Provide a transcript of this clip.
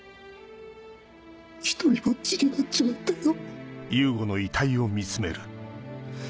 独りぼっちになっちまったよ。